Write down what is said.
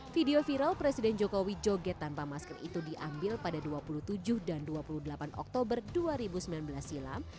video viral presiden jokowi joget tanpa masker itu diambil pada dua puluh tujuh dan dua puluh delapan oktober dua ribu sembilan belas silam